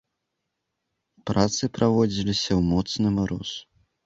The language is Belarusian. Працы праводзіліся ў моцны мароз.